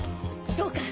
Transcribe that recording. そうか！